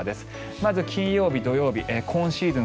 まず金曜日、土曜日今シーズン